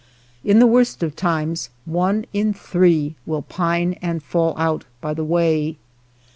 In the worst of times one in three will pine and fall out by the way.